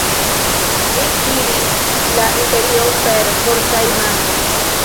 Li gvidis la imperion per fortaj manoj.